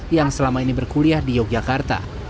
yang selama ini berkuliah di yogyakarta